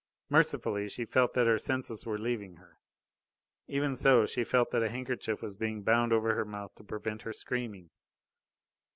Mercifully she felt that her senses were leaving her. Even so, she felt that a handkerchief was being bound over her mouth to prevent her screaming.